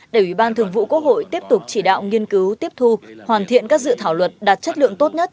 để ủy ban thường vụ quốc hội tiếp tục chỉ đạo nghiên cứu tiếp thu hoàn thiện các dự thảo luật đạt chất lượng tốt nhất